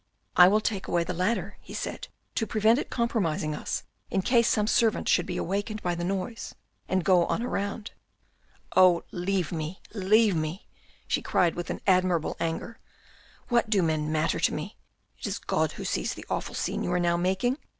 " I will take away the ladder," he said, " to prevent it com promising us in case some servant should be awakened by the noise, and go on a round." " Oh leave me, leave me !" she cried with an admirable anger. " What do men matter to me ! It is God who sees the awful scene you are now making.